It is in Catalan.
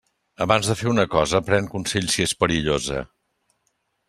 Abans de fer una cosa, pren consell si és perillosa.